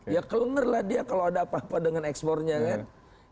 ya kelenger lah dia kalau ada apa apa dengan ekspornya kan